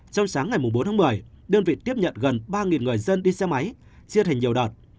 trong sáng ngày bốn tháng một mươi đơn vị tiếp nhận gần ba người dân đi xe máy diết hình nhiều đợt